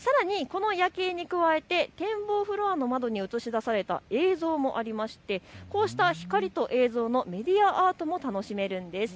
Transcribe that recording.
さらにこの夜景に加えて展望フロアの窓に映し出された映像もありまして、こうした光と映像のメディアアートも楽しめるんです。